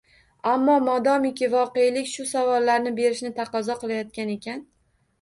Ammo, modomiki voqelik shu savollarni berishni taqozo qilayotgan ekan